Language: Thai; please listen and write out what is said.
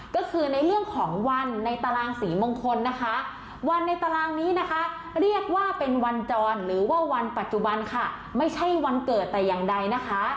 ก็คือในเรื่องของวันในตารางศรีมงคลนะคะวันในตารางนี้นะคะเรียกว่าเป็นวันจรหรือว่าวันปัจจุบันค่ะไม่ใช่วันเกิดแต่อย่างใดนะคะ